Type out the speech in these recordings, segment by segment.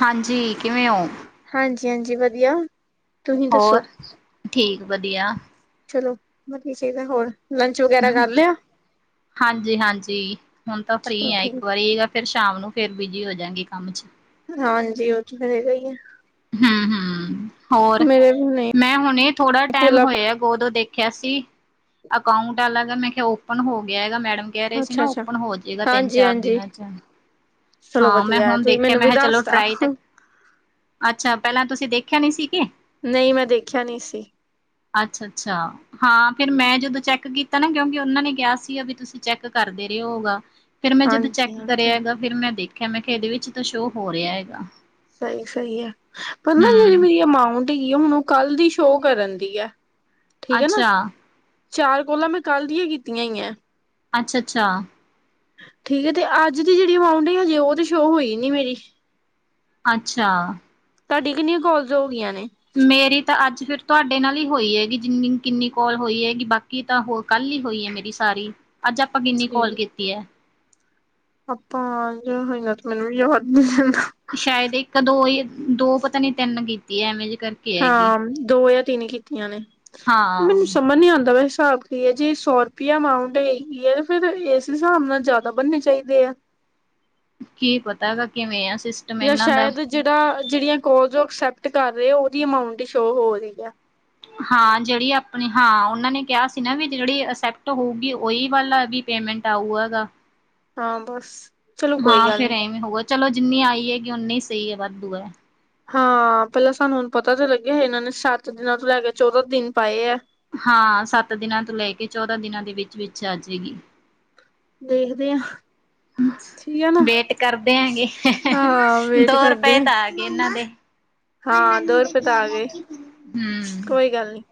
ਹਾਂਜੀ ਕਿਵੇਂ ਓ? ਹਾਂਜੀ-ਹਾਂਜੀ ਵਦੀਆ। ਹੋਰ ਠੀਕ ਵਦੀਆ। ਚਲੋ ਵਦੀਆ ਚਾਈਦਾ ਹੋਰ ਲੰਚ ਵਗੈਰਾ ਹੂੰ, ਕਰ ਲਿਆ ਹਾਂਜੀ-ਹਾਂਜੀ ਹੁਣ ਤਾਂ ਚਲੋ ਫਰੀ ਆ ਇੱਕ ਠੀਕ ਵਾਰੀ ਅ ਫੇਰ ਸ਼ਾਮ ਨੂੰ ਫੇਰ ਬਿਜੀ ਹੋ ਜਾਗੇ ਕੰਮ ਚ ਹਾਂਜੀ ਓ ਚ ਤਾ ਹੈਗਾ ਈ ਆ ਹੂੰ-ਹੂੰ ਹੋਰ, ਮੇਰੇ ਵੀ ਨਹੀਂ ਮੈਂ ਹੁਣੇ ਥੋੜਾ ਟੈਮ ਭੋਲਾ ਹੋਏਆ ਗੋਦੋ ਦੇਖਿਆ ਸੀ। ਅਕਾਊਂਂਟ ਆਲਾ ਮੈਂ ਕਿਹਾ ਓਪਨ ਹੋ ਗਿਆ ਹੈਗਾ ਮੈਡਮ ਕੈ ਰਏ ਸੀ ਅੱਛਾ ਨਾ ਅੱਛਾ ਓਪਨ ਹੋ ਜੇਗਾ ਹਾਂਜੀ ਤਿੰਨ-ਚਾਰ ਹਾਂਜੀ ਦਿਨਾਂ ਚ ਚਲੋ ਹਾਂ ਮੈਂ ਵਧੀਆ ਹੁਣ ਤੁਸੀਂ ਦੇਖੇਆ ਮੈਨੂੰ ਵੀ ਮੈਂਹਾ ਚਲੋ ਦੱਸਤਾ ਟਰਾਈ ਤੇ ਅੱਛਾ ਪੈਲਾਂ ਤੁਸੀਂ ਦੇਖੇਆ ਨੀ ਸੀ ਕੇ ਨਈ ਮੈਂ ਦੇਖਿਆ ਨਈ ਸੀ। ਅੱਛਾ-ਅੱਛਾ। ਹਾਂ ਫੇਰ ਮੈਂ ਜਦੋਂ ਚੈੱਕ ਕੀਤਾ ਨਾ ਕਿਓਂਕੇ ਓਨਾਂ ਨੇ ਕਿਆ ਸੀਗਾ ਵੀ ਤੁਸੀਂ ਚੈੱਕ ਕਰਦੇ ਰਿਆ ਹੋਗਾ ਫੇਰ ਮੈਂ ਜਦੋਂ ਹਾਂਜੀ ਚੈੱਕ ਕਰਿਆ ਐ ਹਾਂਜੀ ਗਾ ਫੇਰ ਮੈਂ ਦੇਖੇਆ ਮੈਂ ਕਿਆ ਏਦੇ ਵਿੱਚ ਤਾਂ ਸ਼ੋਅ ਹੋ ਰਿਆ ਗਾ ਸਹੀ-ਸਹੀ ਐ। ਪਰ ਨਾ ਜੇੜੀ ਹੂੰ ਮੇਰੀ ਅਮਾਊਂਟ ਹੈਗੀ ਓ ਓ ਮੈਨੂੰ ਕੱਲ ਦੀ ਸ਼ੋਅ ਕਰਨ ਦੀ ਐ। ਠੀਕ ਆ ਨਾ, ਅੱਛਾ, ਚਾਰ ਕੋਲਾਂ ਮੈਂ ਕੱਲ ਦੀਆਂ ਈ ਕੀਤੀਆਂ ਈਆ। ਅੱਛਾ ਅੱਛਾ। ਠੀਕ ਹੈ। ਤੇ ਅੱਜ ਦੀ ਜਿਹੜੀ ਅਮਾਊਂਟ ਹੈ ਹਜੇ ਉਹ ਤੇ ਸ਼ੋ ਹੋਈ ਨੀ ਮੇਰੀ। ਅੱਛਾ। ਤੁਹਾਡੀ ਕਿੰਨੀਆਂ ਕੋਲਸ ਹੋ ਗਈਆਂ ਨੇ? ਮੇਰੀ ਤਾਂ ਅੱਜ ਫਿਰ ਤੁਹਾਡੇ ਨਾਲ ਹੀ ਹੋਈ ਹੈਗੀ [unintelligible] ਜਿੰਨੀ ਕਿੰਨੀ ਕੋਲ ਹੋਈ ਹੈਗੀ। ਬਾਕੀ ਤਾਂ ਹੋਰ ਕੱਲ ਹੀ ਹੋਈ ਹੈ ਮੇਰੀ ਸਾਰੀ। ਅੱਜ ਆਪਾਂ ਕਿੰਨੀ ਕਾਲ ਤੇ ਕੀਤੀ ਹੈ? ਆਪਾਂ ਅਜ। ਹੋ ਨਾ ਤੇ [unintelligible] ਮੈਨੂੰ ਵੀ ਯਾਦ ਨ ਸ਼ਾਇਦ ਇੱਕ-ਦੋ ਹੀ ਦੋ ਪਤਾ ਨੀ ਤਿੰਨ ਕੀਤੀਏ ਐਵੇਂ ਜ ਕਰਕੇ। ਹੈਗੀ ਹਾਂ ਦੋ ਜਾਂ ਤਿੰਨ ਈ ਕੀਤੀਆਂ ਨੇ, ਹਾਂ ਮੈਨੂੰ ਸਮਝ ਨੀ ਆਉਂਦਾ ਪਆ ਹਿਸਾਬ ਹੈ ਜੀ ਸੌ ਰੁਪਇਆ ਅਮਾਊਂਟ ਹੇਗੀ ਹੈ ਫੇਰ ਇਸ ਹਿਸਾਬ ਨਾਲ ਜ਼ਿਆਦਾ ਬਣਨੇ ਚਾਹੀਦੇ ਆ। ਕੀ ਪਤਾ ਹੇਗਾ ਕਿਵੇਂਆ ਸਿਸ- ਜਾਂ ਸ਼ਾਇਦ ਜਿਹੜਾ ਜਿਹੜੀਆਂ ਕੋਲ ਉਹ ਅਕਸੈਪਟ ਕਰ ਰਹੇ ਉਹਦੀ ਅਮਾਊਂਟ ਹੀ ਸ਼ੋ ਹੋ ਰਹੀ ਆ। ਹਾਂ ਜਿਹੜੀ ਆਪਣੀ ਹਾਂ ਉਹਨਾਂ ਨੇ ਕਿਹਾ ਸੀ ਨਾ ਵੀ ਜਿਹੜੀ ਅਸੈਪਟ ਹੋਊਗੀ ਉਹੀ ਵੱਲਾ ਪੇਮੈਂਟ ਆਊਅਗਾ। ਹਾਂ ਬੱਸ ਹਾਂ, ਫਿਰ ਐਵੇਂ ਹੋਊਗਾ ਚਲੋ ਜਿੰਨੀ ਆਈ ਹੈਗੀ ਉਨੀ ਸਹੀ ਹੈ ਵਾਧੂ ਹੈ। ਹਾਂ, ਪਹਿਲਾਂ ਸਾਨੂੰ ਹੁਣ ਪਤਾ ਤੇ ਲੱਗਿਆ ਇਹਨਾਂ ਨੇ ਸੱਤ ਦਿਨਾਂ ਤੋਂ ਲੈ ਕੇ ਚੌਦਾਂ ਦਿਨ ਪਾਏ ਐ। ਹਾਂ, ਸੱਤ ਦਿਨਾਂ ਤੋਂ ਲੈ ਕੇ ਚੌਦਾਂ ਦਿਨਾਂ ਦੇ ਵਿੱਚ, ਵਿੱਚ ਆਜੇਗੀ। ਦੇਖਦੇ ਹਾਂ। ਵੇਟ ਕਰਦੇ ਹੈਗੇ, ਹਾਂ ਵੇਟ ਦੋ ਕਰਦੇ ਰੁਪਏ ਹਾਂ ਤਾਂ ਆ ਗਏ ਇਹਨਾਂ ਦੇ। ਹਾਂ ਦੋ ਰੁਪਏ ਤਾਂ ਆ ਗਏ, ਹੂੰ ਕੋਈ ਗੱਲ ਨੀ।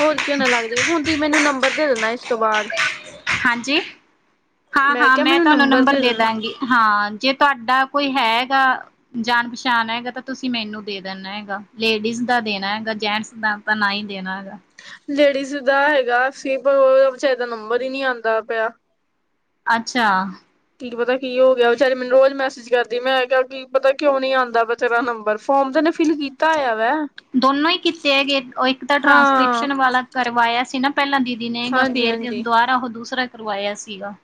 ਹੋਰ ਕਿਉਂ ਨਾ ਲੱਗਜੇ ਹੁਣ ਤੁਸੀਂ ਮੈਨੂੰ ਨੰਬਰ ਦੇਣਾ ਇਸ ਤੋਂ ਬਾਅਦ। ਹਾਂਜੀ ਹਾਂ, ਹਾਂ ਮੈਂ ਤੁਹਾਨੂੰ ਨੰਬਰ ਦੇ ਦਾਂਗੀ। ਹਾਂ ਜੇ ਤੁਹਾਡਾ ਕੋਈ ਹੈਗਾ। ਜਾਣ-ਪਛਾਣ ਹੈਗਾ ਤਾਂ ਤੁਸੀਂ ਮੈਨੂੰ ਦੇ ਦੇਣਾ ਹੈਗਾ ਲੇਡੀਜ਼ ਦਾ ਦੇਣਾ ਹੈਗਾ ਜੈਂਸ ਦਾ ਤਾਂ ਨਾ ਹੀ ਦੇਣਾ ਹੈਗਾ। ਲੇਡੀਜ਼ ਦਾ ਹੈਗਾ ਸੀ ਪਰ [unintelligible] ਉਹ ਵਿਚਾਰੀ ਦਾ ਨੰਬਰ ਹੀ ਨੀ ਆਦਾ ਪਿਆ। ਅੱਛਾ। ਕੀ ਪਤਾ ਕੀ ਹੋ ਗਿਆ ਵਿਚਾਰੀ ਮੈਨੂੰ ਰੋਜ਼ ਮੈਸੇਜ ਕਰਦੀ ਮੈਂ ਕਿਹਾ ਕੀ ਪਤਾ ਕਿਉਂ ਨੀ ਆਦਾ ਪਆ। ਤੇਰਾ ਨੰਬਰ ਫੋਮ ਤੇ ਤਾ ਫਿਲ ਕੀਤਾ ਹੋਆ ਵੈ। ਦੋਨੋ ਹੀ ਕੀਤੇ ਹੈਗੇ ਇੱਕ ਤਾਂ ਹਾਂ ਟ੍ਰਾਂਸਕ੍ਰਿਪਸ਼ਨ ਵਾਲਾ ਕਰਵਾਇਆ ਸੀ ਨਾ। ਪਹਿਲਾਂ ਦੀਦੀ ਨੇਗਾ ਹਾਂਜੀ ਫੇਰ ਹਾਂਜੀ ਦੁਬਾਰਾ ਉਹ ਦੂਸਰਾ ਕਰਵਾਇਆ ਸੀਗਾ‌।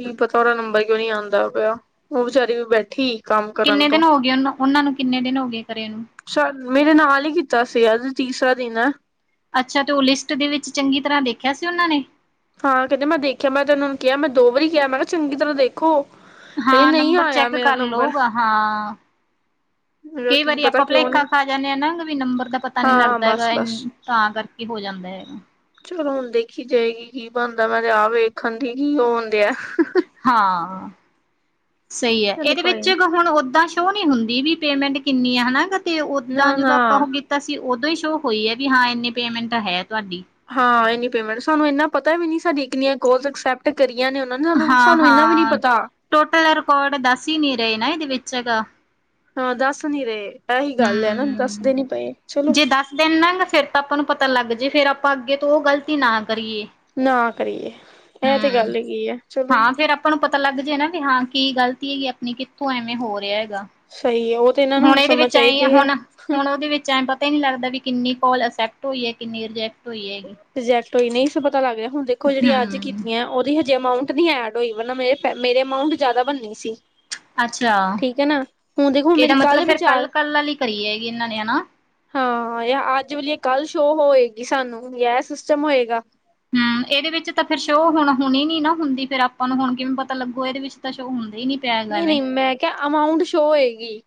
ਕੀ ਪਤਾ ਉਹਰਾ ਨੰਬਰ ਕਿਉਂ ਨੀ ਆਦਾ ਪਿਆ ਉਹ ਬੇਚਾਰੀ ਵੀ ਬੈਠੀ ਕੰਮ ਕਰਨ ਕਿੰਨੇ ਤੋਂ ਦਿਨ ਹੋ ਗਏ ਉਨ ਉਹਨਾਂ ਨੂੰ ਕਿੰਨੇ ਦਿਨ ਹੋ ਗਏ ਕਰੇ ਨੂੰ। ਸ਼ੈਦ ਮੇਰੇ ਨਾਲ ਹੀ ਕੀਤਾ ਸੀਗਾ ਅੱਜ ਤੀਸਰਾ ਦਿਨ ਐ। ਅੱਛਾ ਤੇ ਉਹ ਲਿਸਟ ੳਦੇ ਵਿੱਚ ਚੰਗੀ ਤਰ੍ਹਾਂ ਦੇਖਿਆ ਸੀ ਉਹਨਾਂ ਨੇ। ਹਾਂ ਕਹਿੰਦੇ ਮੈਂ ਦੇਖਿਆ ਮੈਂ ਤੇੈਨੂੰ ਕਿਹਾ ਮੈਂ ਦੋ ਵਾਰੀ ਕਿਹਾ ਮੈਂ ਕਿਹਾ ਚੰਗੀ ਤਰ੍ਹਾਂ ਦੇਖੋ। ਇਹ ਹਾਂ ਨਹੀਂ ਨੰਬਰ ਆਇਆ ਚੈੱਕ ਮੇਰਾ ਕਰ ਨੰਬਰ ਲਉਗਾ ਹਾਂ। ਮੇਰਾ ਕਈ ਕੀ ਵਾਰੀ ਪਤਾ ਆਪਾਂ ਕਿਉਂ ਪਲੇਖਾ ਨਹੀਂ ਖਾ ਜਾਂਨੇ ਹਾਂ ਨਾ ਵੀ ਨੰਬਰ ਦਾ ਪਤਾ ਨੀ ਹਾਂ ਲੱਗਦਾ ਬਸ ਹੈਗਾ। ਬਸ ਤਾਂ ਕਰਕੇ ਹੋ ਜਾਂਦਾ ਹੈਗੇ। ਚਲੋ ਹੁਣ ਦੇਖੀ ਜਾਏਗੀ ਕੀ ਬਣਦਾ ਮੈਂ ਤੇ ਆਪ ਵੇਖਣ ਡਈ ਕੀ ਹੋਣ ਡੇਅ। ਹਾਂ ਸਹੀ ਐ ਚਲੋ ਇਹਦੇ ਕੋਈ ਵਿੱਚ ਨੀ ਇਕ ਹੁਣ ਓਦਾਂ ਸ਼ੋਨੀ ਹੁੰਦੀ ਵੀ ਪੇਮੈਂਟ ਕਿੰਨੀ ਐ ਹੈਨਾ ਏ ਕਰਕੇ ਤੇ ਉਦਾਂ ਨਾ ਜਿਦਾ ਨਾ ਆਪਾਂ ਤਾਂ ਅਸੀਂ ਉਦੋਂ ਹੀ ਸ਼ੋਅ ਹੋਈ ਹੈ ਵੀ ਹਾਂ ਇੰਨੀ ਪੇਮੈਂਟ ਹੈ ਤੁਹਾਡੀ। ਹਾਂ, ਏਨੀ ਪੇਮੈਂਟ ਸਾਨੂੰ ਐਨਾ ਪਤਾ ਵੀ ਨੀ ਸਾਡਿਆ ਕਿਨੀਆ ਕਾੱਲ ਐਕਸੈਪਟ ਟ ਕਰੀਆਂ ਨੇ ਉਹਨਾਂ ਨੇ ਹਾਂ ਸਾਨੂੰ ਇੰਨਾ ਵੀ ਨੀ ਹਾਂ ਪਤਾ। ਟੋਟਲ ਰਿਕਾਰਡ ਦੱਸ ਈ ਨਹੀਂ ਰਹੇ ਨਾ। ਇਹਦੇ ਵਿੱਚ ਹੈਗਾ। ਹਾਂ ਦੱਸ ਨੀ ਰਹੇ‌ ਇਹੀ ਗੱਲ ਹੈ ਨਾ, ਦੱਸਦੇ ਨੀ ਪਏ ਚਲੋ। ਦੇਨਾ ਏ ਫਿਰ ਤਾਂ ਆਪਾਂ ਨੂੰ ਪਤਾ ਲੱਗ ਜੇ ਫਿਰ ਆਪਾਂ ਅੱਗੇ ਤੋਂ ਉਹ ਗਲਤੀ ਨਾ ਕਰੀਏ। ਨਾ ਕਰੀਏ। ਇਹ ਤੇ ਹੂੰ ਗੱਲ ਹੈਗੀ ਐਂ, ਚਲੋ। ਹਾਂ ਫੇਰ ਆਪਾਂ ਨੂੰ ਪਤਾ ਲੱਗ ਜਾਏ ਨਾ ਵੀ ਹਾਂ ਕੀ ਗਲਤੀ ਹੈਗੀ ਆਪਣੀ, ਕਿੱਥੋਂ ਐਵੇਂ ਹੋ ਰਿਹਾ ਹੈਗਾ। ਸਹੀ ਐ ਉਹ ਤੇ ਇਹਨਾਂ ਨੂੰ ਹੁਣ ਇਹਦੇ ਸਮਝ ਵਿੱਚ ਆਏਂ ਆ ਚਾਹੀਦੀ ਹੈ ਹੁਣ ਹੁਣ ਉਹਦੇ ਵਿੱਚ ਆਏ ਪਤਾ ਈ ਨੀ ਲੱਗਦਾ ਵੀ ਕਿੰਨੀ ਕੋਲ ਅਕਸੈਪਟ ਹੋਈ ਹੈ, ਕਿੰਨੀ ਰਿਜੈਕਟ ਹੋਈ ਹੈਗੀ? ਰਿਜੈਕਟ ਹੋਈ ਨਹੀਂ ਸੋ ਪਤਾ ਲੱਗ ਰਿਹਾ। ਹੁਣ ਦੇਖੋ ਜਿਹੜੀ ਅੱਜ ਕੀ ਹਮ ਕੀਤੀਆਂ ਉਹਦੀ ਹਜੇ ਅਮਾਊਂਟ ਨੀ ਐਡ ਹੋਈ ਵ ਮੇਰੇ- ਮੇਰੇ ਅਮਾਊਂਟ ਜਿਆਦਾ ਬਣਨੀ ਸੀ। ਅੱਛਾ। ਠੀਕ ਹੈ ਨਾ ਹੁਣ ਦੇਖੋ ਇਹਦਾ ਮੇਰੀ ਮਤਲਬ ਕੱਲ ਫੇਰ ਵਿਚਾਰ ਕੱਲ-ਕੱਲ ਆਲੀ ਕਰੀ ਹੈਗੀ ਇਹਨਾਂ ਨੇ, ਹਨਾ। ਹਾਂ ਯਾ ਅੱਜ ਵਾਲੀ ਕੱਲ੍ਹ ਸ਼ੋਅ ਹੋੲਗੀ ਸਾਨੂੰ ਯਾ ਇਹ ਸਿਸਟਮ ਹੋਏਗਾ। ਹਮ। ਇਹਦੇ ਵਿੱਚ ਤਾਂ ਫੇਰ ਸ਼ੋਅ ਹੁਣ ਹੁਣੀ ਨੀ ਨਾ ਹੁੰਦੀ। ਫੇਿਰ ਆਪਾਂ ਨੂੰ ਹੁਣ ਕਿਵੇਂ ਪਤਾ ਲੱਗੂ? ਇਹਦੇ ਵਿੱਚ ਤਾਂ ਸ਼ੋਅ ਹੁੰਦੇ ਈ ਨੀ। ਪਿਆ ਹੈਗਾ ਐਵੇਂ ਨਹੀਂ-ਨਹੀਂ। ਮੈਂ ਕਿਹਾ ਅਮਾਊਂਟ ਸ਼ੋਅ ਹੋਏਗੀ।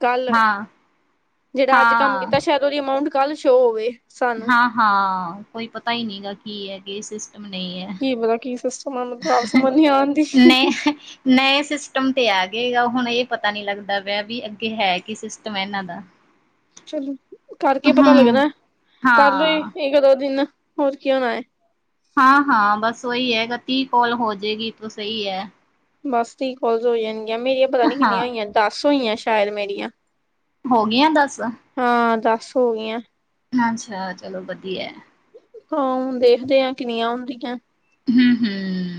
ਕੱਲ ਹਾਂ ਜਿਹੜਾ ਅੱਜ ਕੰਮ ਹਾਂ ਕੀਤਾ ਸ਼ਾਇਦ ਉਹਦੀ ਅਮਾਊਂਟ ਕੱਲ ਸ਼ੋਅ ਹੋਵੇ। ਸਾਨੂੰ ਹਾਂ-ਹਾਂ। ਕੋਈ ਪਤਾ ਈ ਨਹੀਂ ਗਾ ਕੀ ਐ ਕੀ ਸਿਸਟਮ ਨਹੀਂ ਐ। ਕੀ ਪਤਾ ਕੀ ਸਿਸਟਮ ਆ ਮੈਨੂੰ ਤਾਂ ਆਪ ਸਮਝ ਨੀ ਆਉਣਦੀ। ਨਹੀਂ ਨਏ ਸਿਸਟਮ ਤੇ ਆ ਗਏਗਾ ਹੁਣ ਇਹ ਪਤਾ ਨੀ ਲੱਗਦਾ ਪਿਆ ਵੀ ਅੱਗੇ ਹੈ ਕੀ ਸਿਸਟਮ ਇਹਨਾਂ ਦਾ। [inaudible] ਚਲੋ ਕਰਕੇ ਪਤਾ ਹਮ ਲੱਗਣੈ। ਕਰ ਲੋ ਹਾਂ ਇੱਕ ਦੋ ਦਿਨ ਹੋਰ ਕੀ ਹੋਣਾ ਐ? ਹਾਂ-ਹਾਂ। ਬਸ ਉਹੀ ਹੈਗਾ ਤੀਅ ਕਾਲ ਹੋ ਜਾਏਗੀ ਤੋ ਸਹੀ ਐ। ਬਸ ਤੀਅ ਕੋਲ ਹੋ ਜਾਣਗੀਆਂ ਮੇਰੀਆਂ ਪਤਾ ਨੀ ਹਾਂ ਕਿੰਨੀਆਂ ਹੋਈਆਂ ਦੱਸ ਹੋਈਆਂ ਸ਼ਾਇਦ ਮੇਰੀਆਂ। ਹੋ ਗਈਆਂ ਦੱਸ? ਹਾਂ ਦੱਸ ਹੋ ਗਈਆਂ। ਅੱਛਾ। ਚਲੋ ਵਧੀਐ। ਹਾਂ ਹੁਣ ਦੇਖਦੇ ਆ ਕਿੰਨੀਆਂ ਹੁੰਦੀਐ? ਹਮ-ਹਮ।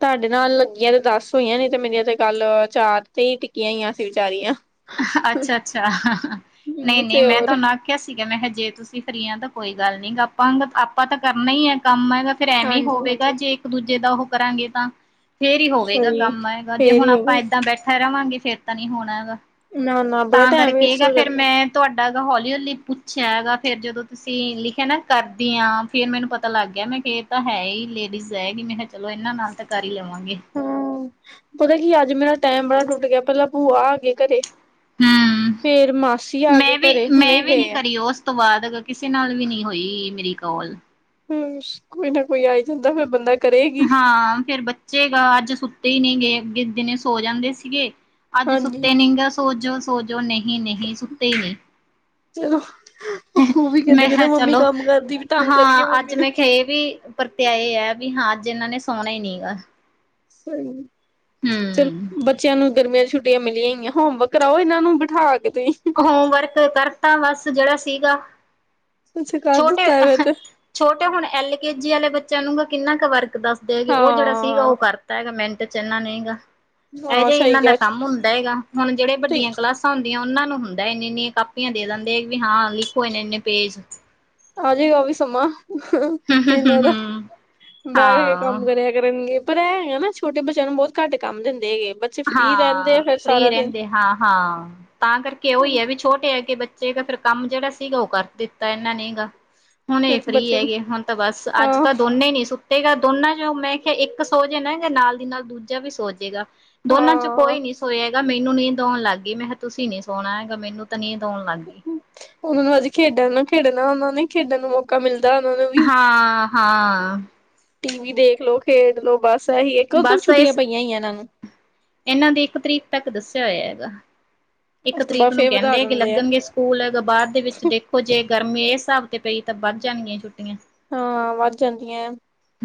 ਤੁਹਾਡੇ ਨਾਲ ਲੱਗੀਆਂ ਤੇ ਦੱਸ ਹੋਈਆਂ ਨੇ ਤੇ ਮੇਰੀਆਂ ਤਾਂ ਕਲ ਚਾਰ ਤੇ ਈ ਟਿੱਕੀਆਂ ਹੋਈਆਂ ਸੀ ਵਿਚਾਰੀ ਆ। ਅੱਛਾ-ਅੱਛਾ। ਨਹੀਂ-ਨਹੀਂ ਤੇ ਮੈਂ ਹੋਰ ਤੁਹਾਡੇ ਨਾਲ ਕਿਆ ਸੀਗਾ ਮੈਂ ਕਿਹਾ ਜੇ ਤੁਸੀਂ ਕਰੀਆਂ ਤਾਂ ਕੋਈ ਗੱਲ ਨਈ ਆਪਾਂ ਤਾਂ ਆਪਾ ਕਰਨਾ ਹੀ ਹ ਕੰਮ ਫੇਰ ਐਮੀ ਹਾਂਜੀ ਹੋਵੇਗਾ ਹਾਂਜੀ ਜੇ ਇੱਕ-ਦੂਜੇ ਦਾ ਓਹ ਕਰਾਂਗੇ ਤਾਂ ਫੇਰ ਈ ਹੋਵੇਗਾ ਸਹੀ ਕੰਮ ਆਏਗਾ‌। ਜੇ ਫੇਰ ਹੁਣ ਹੀ ਆਪਾਂ ਹੋਵੇ ਇਦਾਂ ਬੈਠਾ ਰਵਾਂਗੇ ਫਿਰ ਤਾਂ ਨਹੀਂ ਹੋਣਾ ਗੈ। ਨਾ-ਨਾ। ਤਾਂ ਕਰਕੇ ਏ ਗਾ। ਫਿਰ ਮੈਂ ਤੁਹਾਡਾ ਹੌਲੀ-ਹੌਲੀ ਪੁੱਛਿਆ ਐਗਾ ਫਿਰ ਜਦੋਂ ਤੁਸੀਂ ਲਿਖਿਆ ਨਾ ਕਰਦੇ ਆ ਫੇਰ ਮੈਨੂੰ ਪਤਾ ਲੱਗ ਗਿਆ, ਮੈਂ ਕੇਆ ਇਹ ਤਾਂ ਹੈ ਹੀ ਲੇਡੀਜ਼ ਹੈ, ਮੈਂ ਕੇਆ ਚਲੋ ਇਹਨਾਂ ਨਾਲ ਤਾਂ ਕਰ ਈ ਲਵਾਂਗੇ। ਪਤਾ ਕੀ ਆ ਅੱਜ ਮੇਰਾ ਟਾਈਮ ਬੜਾ ਟੁੱਟ ਗਿਆ ਪਹਿਲਾਂ ਭੂਆ ਆ ਗਏ ਘਰੇ। ਹੂੰ ਫਿਰ ਮਾਸੀ ਆ ਗਈ ਘਰੇ ਹੁਣ ਈ ਗਏ ਆ। ਵਾਦ ਕਿਸੇ ਨਾਲ ਵੀ ਨਹੀਂ ਹੋਈ ਮੇਰੀ ਕੋਲ। ਹਮ ਕੋਈ ਨਾ ਕੋਈ ਆਈ ਜਾਂਦਾ ਫਿਰ ਬੰਦਾ ਕਰੇਗੀ ਹਾਂ ਫਿਰ ਬੱਚੇ ਗਾ ਅੱਜ ਸੁੱਤੇ ਈ ਨਹੀਂ ਗਏ ਅਗੇ ਦਿਨੇ ਸੋ ਜਾਂਦੇ ਸੀਗੇ‌। ਅੱਜ ਹਾਂਜੀ ਸੁੱਤੇ ਨਹੀਂ ਗਾ ਸੋਜੋ- ਸੋਜੋ ਨਹੀਂ-ਨਹੀਂ ਸੁੱਤੇ ਈ ਨਈ। ਉਹ ਵੀ ਮੈਂ ਕਹਿੰਦੇ ਕਿਹਾ ਮੰਮੀ ਚਲੋ ਕੰਮ ਕਰਦੀ ਵੀ ਤੰਗ ਕਰੀਏ ਹਾਂ ਅੱਜ ਮੰਮੀ ਨੂੰ। ਮੈਂ ਇਹ ਵੀ ਪਰਤਿਆ ਇਹ ਹ ਵੀ ਹਾਂ ਅੱਜ ਇਹਨਾਂ ਨੇ ਸੋਣਾ ਹੀ ਨਹੀਂ ਗਾ। ਹਾਂਜੀ ਹੂ। ਚਲੋ ਬੱਚਿਆਂ ਨੂੰ ਗਰਮੀਆਂ ਛੁੱਟੀਆਂ ਮਿਲੀਆਂ ਹੀ ਆ, ਹੋਮਵਰਕ ਕਰਾਓ ਇਹਨਾਂ ਨੂੰ ਬਿਠਾ ਕੇ ਤੁਹੀਂ। ਹੋਮਵਰਕ ਕਰਤਾ ਬਸ ਜਿਹੜਾ ਸੀਗਾ, ਅੱਛਾ ਕਰ ਛੋਟੇ ਦਿੱਤਾ ਹੈ ਤੇ ਛੋਟੇ ਹੁਣ ਐਲ ਕੇ ਜੀ ਵਾਲੇ ਬੱਚਿਆਂ ਨੂੰ ਕਿੰਨਾ ਕੁ ਵਰਕ ਦੱਸ ਦੇ ਹੈਗੇ, ਉਹ ਜਿਹੜਾ ਸੀਗਾ, ਹਾਂ ਉਹ ਕਰਤਾ ਹੈਗਾ ਮੈ ਤੇ ਚਲਣਾ ਨਹੀਂ ਗਾ, ਇਹੋ ਹਾਂ ਜਿਹੇ ਸਹੀ ਇਹਨਾਂ ਦਾ ਕਿਹਾ ਕੰਮ ਹੁੰਦਾ ਹੈਗਾ, ਹੁਣ ਜਿਹੜੇ ਠੀਕ ਵੱਡੀਆਂ ਕਲਾ ਸਾਂ ਹੁੰਦੀਆਂ ਉਹਨਾਂ ਨੂੰ ਹੁੰਦਾ, ਏਨੀਆਂ -ਏਨੀਆਂ ਕਾਪੀਆਂ ਦੇ ਦਿੰਦੇ ਵੀ ਹਾਂ ਲਿਖੋ ਨੇ ਏਨੇ -ਏਨੇ ਪੇਜ। ਆਜੇਗਾ ਉਹ ਵੀ ਸਮਾਂ, ਹੂੰ ਹੂੰ ਹੂੰ ਇਹਨਾਂ ਦਾ, ਹੂੰ ਬੈਠ ਕੇ ਹਾਂ। ਕੰਮ ਕਰਿਆ ਕਰਣਗੇ। ਪਰ ਐਹ ਹੈਗਾ ਛੋਟੇ ਬੱਚਿਆਂ ਨੂੰ ਬਹੁਤ ਘੱਟ ਕੰਮ ਦਿੰਦੇ ਹੈਗੇ। ਬੱਚੇ ਫ੍ਰਰੀ ਰਹਿੰਦੇ ਆ ਹਾਂ, ਫਿਰ ਫ੍ਰੀ ਸਾਰਾ ਦਿਨ ਰਹਿੰਦੇ ਹਾਂ -ਹਾਂ ਤਾਂ ਕਰਕੇ ਉਹ ਹੀ ਹੈ ਵੀ ਛੋਟੇ ਅੱਗੇ ਬੱਚੇ ਫਿਰ ਕੰਮ ਜਿਹੜਾ ਸੀਗਾ ਉਹ ਕਰ ਦਿੱਤਾ ਇਹਨਾਂ ਨੇ ਗਾ। ਹੁਣ ਇਹ ਫਰੀ ਬੱਚੇ ਹੈਗੇ, ਹੁਣ ਤਾਂ ਬਸ, ਅੱਜ ਹਾਂ ਤਾਂ ਦੋਨੇ ਨਹੀਂ ਸੁੱਤੇ ਗੇ ਦੋਨਾਂ ਮੈਂ ਕਿਹਾ ਇੱਕ ਸੋਜੇ ਨਾ ਜਾਂ ਨਾਲ ਦੀ ਨਾਲ ਦੂਜਾ ਵੀ ਸੋਜੇਗਾ। ਦੋਨੋਂ ਚੋ ਹਾਂ ਕੋਈ ਨੂੰ ਸੋਏਗਾ, ਮੈਨੂੰ ਨੀਂਦ ਆਉਣ ਲਗ ਗਈ ਮੈਂ ਹਿਆ ਤੁਸੀ ਨੀ ਸੋਣਾ ਹੈਗਾ, ਮੈਨੂੰ ਤਾਂ ਨੀਂਦ ਆਉਣ ਲਗ ਗਈ। ਉਹਨਾ ਨੂੰ ਅੱਜ ਖੇਡਣ ਨੂੰ, ਖੇਡਣਾ ਉਹਨਾ ਨੇ, ਖੇਡਣ ਨੂੰ ਮੌ ਕਾ ਮਿਲਦਾ ਉਹਨਾਂ ਨੂੰ ਵੀ। ਹਾਂ ਹਾਂ ਟੀਵੀ ਦੇਖ ਲਓ, ਖੇਡ ਲੌ ਬਸ, ਕਦੋਂ ਤਕ ਬਸ ਛੁੱਟੀਆਂ ਇਸ ਪਈਆਂ ਹੀ ਆ ਇਹਨਾਂ ਨੂੰ? ਇਹਨਾਂ ਦੀ ਇੱਕ ਤਰੀਕ ਤੱਕ ਦੱਸਿਆ ਹੋਇਆ ਹੈਗਾ। ਇੱਕ ਉਸ ਤੋਂ ਤਰੀਕ ਬਾਅਦ ਨੂੰ ਫੇਰ ਵਧਾ ਕਹਿੰਦੇ ਆ ਕਿ ਦਿੰਦੇ ਲੱਗਣਗੇ ਸਕੂਲ, ਬਾਦ ਦੇ ਵਿੱਚ ਦੇ ਉਹ ਜੇ ਗਰਮੀ ਇਸ ਹਿਸਾਬ ਤੇ ਪਈ ਤਾਂ ਵੱਧ ਜਾਣਗੀਆਂ ਛੁੱਟੀਆਂ। ਹਾਂ ਵੱਧ ਜਾਂਦੀਆਂ,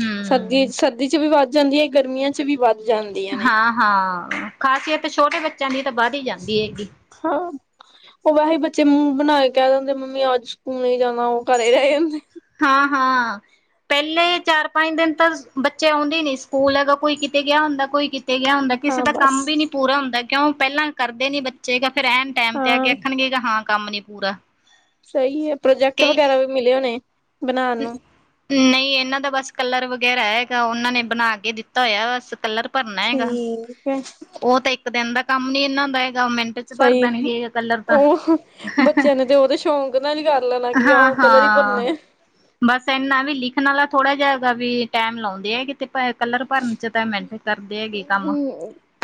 ਹੂੰ। ਸਰਦੀ- ਸਰਦੀ ਚ ਵੀ ਵੱਧ ਜਾਂਦੀ ਆ, ਗਰਮੀਆਂ ਚ ਵੀ ਵੱਧ ਜਾਂਦੀਆਂ ਨੇ। ਹਾਂ ਖਾਸੀਆ ਤੇ ਛੋਟੇ ਬੱਚਿਆਂ ਦੀ ਤਾਂ ਵਧ ਹੀ ਜਾਂਦੀ ਹੈਗੀ। ਹਾਂ। ਉਹ ਵੈਸੇ ਬੱਚੇ ਮੂੰਹ ਬਣਾ ਕੇ ਕਹਿ ਦਿੰਦੇ, ਮੰਮੀ ਅੱਜ ਸਕੂਲ ਨੀ ਨਹੀਂ ਜਾਣਾ, ਉਹ ਘਰੇ ਹੀ ਰਹਿ ਜਾਂਦੇ ਏ। ਹਾਂ, ਹਾਂ। ਪਹਿਲੇ ਚਾਰ- ਪੰਜ ਦਿਨ ਤਾਂ ਬੱਚੇ ਆਉਂਦੇ ਹੀ ਨੀ ਸਕੂਲ, ਅਗਰ ਕੋਈ ਕਿਤੇ ਗਿਆ ਹੁੰਦਾ, ਕੋਈ ਕਿਤੇ ਗਿਆ ਹੁੰਦਾ ਏ ਕਿਸੇ ਹਾਂ ਦਾ ਬਸ ਕੰਮ ਵੀ ਨੀ ਪੂਰਾ ਹੁੰਦਾ ਕਿਉਂ, ਪਹਿਲਾਂ ਕਰਦੇ ਨੀ ਬੱਚੇ ਫ਼ਿਰ ਐਨ ਟਾਈਮ ਤੇ ਆ ਕੇ ਹਾਂ ਆਖਣਗੇ ਹਾਂ ਕੰਮ ਨੀ ਪੂਰਾ। ਸਹੀ ਹੈ, ਪ੍ਰੋਜੈਕਟ ਕਈ ਵਗੈਰਾ ਵੀ ਮਿਲੇ ਹੋਨੇ, ਬਣਾਣ ਨੂੰ। ਨਹੀਂ ਇਹਨਾਂ ਦਾ ਬਸ ਕਲਰ ਵਗੈਰਾ ਹੈਗਾ, ਉਹਨਾਂ ਨੇ ਬਣਾ ਕੇ ਦਿੱਤਾ ਹੋਇਆ ਬਸ ਕਲਰ ਭਰਨਾ ਹੈਗਾ, ਠੀਕ ਹੈ ਉਹ ਤਾਂ ਇੱਕ ਦਿਨ ਦਾ ਕੰਮ ਨੀ ਇਹਨਾਂ ਦਾ ਹੈਗਾ ਮਿੰਟ ਚ ਭਰ ਸਹੀ, ਦੇਣਗੇ ਕਲਰ ਤਾਂ ਉਹ, ਬੱਚਿਆਂ ਨੇ ਤੇ ਉਹ ਤੇ ਸ਼ੌਕ ਨਾਲ ਹੀ ਕਰ ਲੈਣਾ ਕਿ ਹਾਂ ਕਲਰ ਹੀ ਭਰਨੇ। ਬਸ ਇਨਾ ਵੀ ਲਿਖਣ ਵਾਲਾ ਥੋੜਾ ਜਿਹਾ ਵੀ ਟਾਈਮ ਜਿਹਾ ਹੈਗਾ ਵੀ ਲਾਉਂਦੇ ਆ ਤੇ ਕਲਰ ਭਰਨ ਚ ਤਾਂ ਮਿੰਟ ਚ ਕਰਦੇ ਹੈਗੇ ਕੰਮ।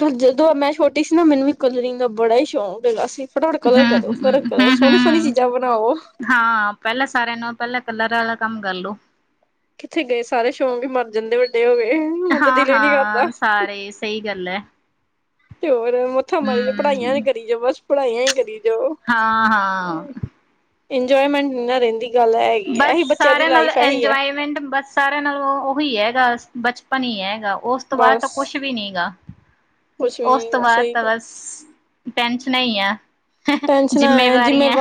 ਪਰ ਜਦੋਂ ਮੈਂ ਛੋਟੀ ਸੀ ਨਾ, ਮੈਨੂੰ ਵੀ ਕਲਰਿੰਗ ਦਾ ਬੜਾ ਹੀ ਸ਼ੌਂਕ ਹੈਗਾ ਸੀ। ਫਟਾਫਟ ਕਲਰ ਕਰੋ, ਹਮ ਕਲਰ ਹਮ ਕੋ ਹਮ ਸੋਹਣੀ-ਸੋਹਣੀ ਹਮ ਚੀਜ਼ਾਂ ਬਣਾਓ। ਹਾਂ ਪਹਿਲਾਂ ਸਾਰਿਆਂ ਨਾਲੋਂ, ਪਹਿਲਾਂ ਕਲਰ ਵਾਲਾ ਕੰਮ ਕਰਲੋ। ਕਿੱਥੇ ਗਏ ਸਾਰੇ ਸ਼ੌਂਕ ਵੀ ਮਰ ਜਾਂਦੇ ਏ ਵੱਡੇ ਹੋ ਕੇ, ਹੁਣ ਤਾਂ ਦਿਲ ਵੀ ਨੀ ਕਰਦਾ। ਥਾਰੇਸ। ਸਹੀ ਗੱਲ ਐ। ਤੇ ਹੋਰ ਮੱਥਾ ਮਾਰੀ ਜਾਓ, ਪੜ੍ਹਾਈਆਂ ਹਮ ਈ ਕਰੀ ਜਾਓ ਬਸ, ਪੜ੍ਹਾਈਆਂ ਹੀ ਕਰੀ ਜਾਓ। ਹਾਂ, ਹਾਂ। ਇੰਜੋਏਮੈਂਟ ਨੀ ਨਾ ਰਹਿੰਦੀ ਗੱਲ ਹੈਗੀ ਐ, ਏਹੀ ਬੱਚਿਆਂ ਦੀ ਲਾਈਫ ਏਹੀ ਹੈ। ਨਵੇਂਡਮ ਬੱਸ ਸਾਰੇਆਂ ਨਾਲੋਂ ਉਹੀ ਹੈਗਾ ਬਚਪਨ ਈ ਹੈਗਾ, ਓਸ ਤੋਂ ਬਾਅਦ ਤਾਂ ਬਸ ਕੁਛ ਵੀ ਨੀ ਗਾ। ਕੁਛ ਵੀ ਓਸ ਨੀ ਤੋਂ ਹੈਗਾ ਬਾਅਦ ਸਹੀ ਤਾਂ ਗੱਲ। ਬਸ, ਟੈਨਸ਼ਨਾ ਈ ਆ। ਟੈਨਸ਼ਨਾਂ ਹੈ ਜਿੰਮੇਵਾਰੀਆਂ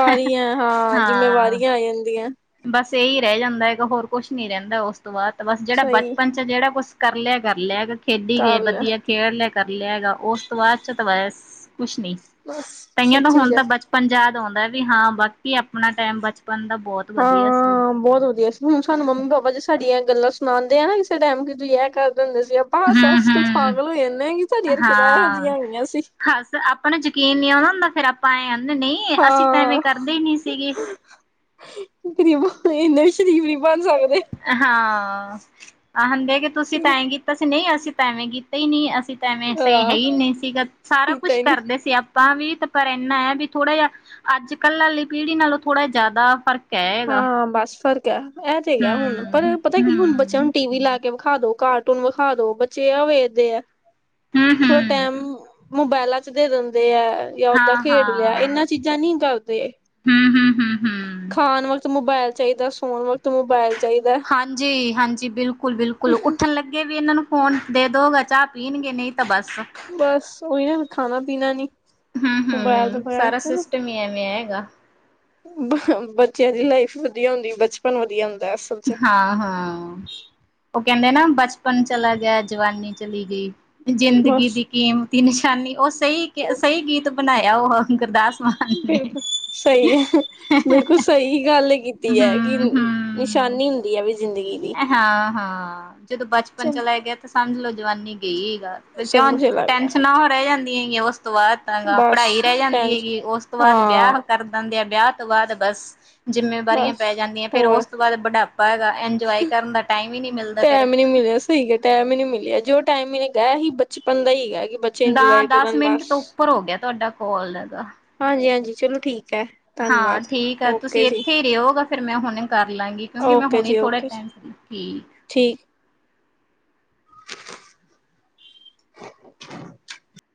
ਹਾਂ। ਪੈ ਜਾਂਦੀਆਂ। ਬਸ ਏਈ ਰੇਹ ਜਾਂਦਾ ਹੈਗਾ, ਹੋਰ ਕੋਛ ਨੀ ਰੈਂਦਾ ਓਸ ਤੋਂ ਬਾਅਦ ਤੇ ਬਸ, ਜੇਹੜਾ ਸਹੀ ਬਾਚਪਨ ਚ ਜੇਹੜਾ ਕੁਛ ਕਰ ਲੇਆ ਕਰ ਲੇਆ ਹੈਗਾ, ਖੇਡੀ ਗਏ ਕਰ ਲਿਆ ਵਧੀਆ ਖੇਡ ਲੇਆ ਕਰ ਲੇਆ ਹੈਗਾ, ਓਸ ਤੋਂ ਬਾਅਦ ਚ ਤੇ ਬਸ ਕੁਛ ਨੀ, ਬਸ ਕਈਆਂ ਦਾ ਸੱਚੀ ਹੁਣ ਜ ਤਾਂ ਬਚ ਪੰਜਾਦ ਔਉਂਦਾ ਵੀ ਹਾਂ, ਬਾਕੀ ਆਪਣਾ ਟੈਮ ਬਚਪਨ ਦਾ ਬੋਹ ਹਾਂ ਬੋਹਤ ਵਧੀਆ ਸੀ, ਹੁਣ ਸਾਨੂੰ ਮੰਮੀ ਪਾਪਾ ਜੀ ਸਾਡੀਆਂ ਗੱਲਾਂ ਸੁ ਸੁਨਾਂਦੇ ਆ ਨਾ ਕਿਸੇ ਟੈਮ, ਕਿ ਤੁਸੀਂ ਏਹ ਕਰਦੇ ਹੁੰਦੇ ਸੀ ਆਪਾਂ ਹਾਸ ਹੱਸ ਕੇ ਹੂੰ-ਹੂੰ ਪਾਗਲ ਹੋਈ ਜਾਨੇ ਆਂ ਕਿ ਸਾਡੀ ਹਰਕਤਾਂ ਐਹੋ ਜਿਈਆਂ ਹੇਗੀਆਂ ਸੀ। ਹਾਸ ਆਪਾਂ ਨੂੰ ਜਕੀਨ ਨਈ ਔਉਣਾ ਹੁੰਦਾ ਫੇਰ ਆਪਾਂ ਐਂ ਆਨੇ, ਨਈ ਅਸੀਂ ਤਾਂ ਹਾਂ ਐਵੇਂ ਕਰਦੇ ਈ ਨਈ ਸੀਗੇ। ਰੀ ਵ ਏਨੇ ਸ਼ਰੀਫ ਵੀ ਬਣ ਸਕਦੇ। ਹਾਂ ਆਹੁੰਦੇ ਕਿ ਤੁਸੀਂ ਤਾਂ ਚਲੋ ਆਏ ਕੀਤਾ ਸੀ, ਨਈ ਅਸੀਂ ਤਾਂ ਏਵੇਂ ਕੀਤਾ ਈ ਨਈ ਅਸੀਂ ਤਾਂ ਐਵੇਂ ਸਈ ਹੈ ਹਾਂ ਈ ਨਈ ਸੀਗਾ, ਸਾਰਾ ਕੀਤਾ ਕੁਛ ਹੀ ਨੀ ਕਰਦੇ ਸੀ ਆਪ ਤਾ ਵੀ ਤੇ ਪਰ ਏਨਾਂ ਹੈ ਵੀ ਥੋੜਾ ਜੇਹਾ ਅੱਜ ਕੱਲ੍ਹ ਆਲੀ ਪੀੜ੍ਹੀ ਨਾਲੋਂ ਥੋੜਾ ਜਾਏਦਾ ਫਰਕ ਹਾਂ ਬਸ ਫਰਕ ਐ ਏਹ ਤੇ ਹੈਗਾ ਹੁਣ ਪਰ ਹਮ। ਪਤਾ ਕੀ ਹੁਣ ਹਮ ਬੱਚੇਆਂ ਨੂੰ ਟੀ ਵੀ ਲਾ ਕੇ ਵੇਖਾ ਦੋ ਕਾਰਟੂਨ ਵਖਾ ਦੋ, ਬੱਚੇ ਏਹ ਵੇਖਦੇ ਐ, ਹਮ ਥੋੜਾ ਹਮ ਟੈਮ ਮੂਬਾਏਲਾਂ ਚ ਦੇ ਦੰਦੇ ਐ ਯਾ ਓਦਾਂ ਹਾਂ ਖੇਡ ਲੇਆ, ਏਹਨਾਂ ਚੀਜ਼ਾਂ ਨਈ ਕਰਦੇ। ਹਮ-ਹਮ-ਹਮ-ਹਮ। ਖਾਣ ਵਕਤ ਮੋਬਾਏਲ ਚਾਈਦਾ, ਸੌਣ ਵਕਤ ਮੋਬਾਇਲ ਚਾਹੀਦਾ ਏ। ਹਾਂਜੀ-ਹਾਂਜੀ, ਬਿਲਕੁਲ-ਬਿਲਕੁਲ ਉੱਠਣ ਲੱਗੇ ਵੀ ਏਹਨਾਂ ਨੂੰ ਫੋਨ ਦੇ ਦੋਗੇ ਚਾਹ ਪੀਣਗੇ, ਨਈ ਤਾਂ ਬਸ ਬਸ ਓਈ ਨਾ ਖਾਨਾ ਪੀਨਾ ਨੀ। ਮੋਬਾਇਲ ਤੋਂ ਹਮ-ਹਮ ਬਗੈਰ ਸਾਰਾ ਸਿਸਟਮ ਈ ਐਵੇਂ ਹੈਗਾ। ਬ ਬੱਚੇਆਂ ਦੀ ਲਾਈਫ ਵਧੀਆ ਹੁੰਦੀ, ਬਚਪਨ ਵਧੀਆ ਹੁੰਦਾ ਏ। ਹਾਂ-ਹਾਂ ਉਹ ਕੇਹੰਦੇ ਨਾ, ਬਚਪਨ ਚਲਾ ਗੇਆ ਏ, ਜਵਾਨੀ ਚਲੀ ਗਈ। ਜ਼ਿੰਦਗੀ ਬਸ। ਦੀ ਕੀਮਤੀ ਨਿਸ਼ਾਨੀ, ਓਹ ਸਈ ਕੇ ਸਈ ਗੀਤ ਬਣਾਏਆ ਏ ਓ ਗੁਰਦਾਸ ਮਾਨ ਨੇ। ਬਿਲਕੁਲ ਸਹੀ ਹੈ ਬਿਲਕੁਲ ਸਈ ਗੱਲ ਕੀਤੀ ਐ, ਕਿ ਹੂੰ ਨ ਨਿਸ਼ਾਨੀ ਹੁੰਦੀ ਐ ਵਈ ਜ਼ਿੰਦਗੀ ਦੀ। ਹਾਂ-ਹਾਂ, ਜਦੋਂ ਬਚਪਨ ਚਲ ਚਲਾ ਗੇਆ ਤਾਂ ਸਮਝ ਲੋ ਜਵਾਨੀ ਗਈ ਗਾ। ਤੇ ਸਭ ਕਿਉਂ, ਕੁਛ ਚਲਾ ਗਿਆ ਟੈਨਸ਼ਨਾਂ ਰੈ ਜਾਂਦੀਏ ਈ ਐ ਓਸ ਤੋਂ ਬਾਦ। [unintelligible] ਬਸ ਪੜਾਈ ਰੈ ਜਾਂਦੀ ਟੈਨ ਹੈਗੀ ਏ, ਓਸ ਤੋਂ ਬਾਦ ਵੇਆ ਹਾਂ ਕਰ ਦਿੰਦੇ ਐ, ਵੇਆ ਤੋਂ ਬਾਦ ਬਸ ਜਿੰਮੇਵਾਰੀਆਂ ਬਸ ਪੈ ਜਾਂਦੀਐ, ਫੇਰ ਓਸ ਤੋਂ ਬਾਦ ਬਢਾਪਾ ਹੈਗਾ। ਐਨਜੋਏ ਟੈਮ ਈ ਨੀ ਮਿਲਿਆ ਸ ਸਈ ਕੇਆ, ਟੈਮ ਈ ਨੀ ਮਿਲਿਆ। ਜੋ ਟਾਈਮ ਮਿਨਗਾਂ ਐਹੀ ਬਚਪਨ ਦਾ ਈ ਹੈਗੈ ਕਿ ਬ ਦਾ, ਦਾਸ ਮਿੰਟ ਤੋਂ ਉੱਪਰ ਹੋ ਗੇਆ ਤੁਆਡਾ ਕੋਲ ਐਦਾ। ਹਾਂਜੀ-ਹਾਂਜੀ ਚਲੋ ਠੀਕ ਹੈ ਹਾਂ ਧੰਨਵਾਦ ਠੀਕ ਐ, ਓਕੇ ਤੁਸੀਂ ਜੀ ਏਥੇ ਈ ਰੈਓਗਾ। ਫੇਰ ਮੈਂ ਹੁਣੇ ਕਾਰ ਲਾਂਗੀ, ਕਿਉਂਕਿ ਮੈਂ ਓਕੇ ਹੁਣੇ ਈ ਜੀ ਥੋੜੇ ਓਕੇ ਟੈਮ ਜੀ ਫ੍ਰੀ ਠੀਕ। ਠੀਕ। [inaudible]